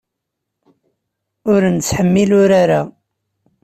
Ur nettḥemmil urar-a.